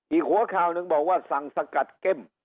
อีกหัวข่าวหนึ่งบอกว่าสั่งสกัดเข้ม